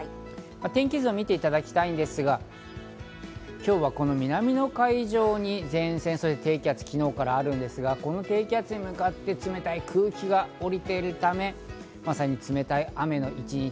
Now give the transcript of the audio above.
天気図を見ていただきたいんですが、今日はこの南の海上に前線、低気圧が昨日からあるんですが、この低気圧に向かって冷たい空気が下りているため、まさに冷たい雨の一日。